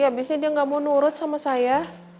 habisnya dia nggak mau nurut sama saya